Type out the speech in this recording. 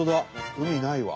海ないわ。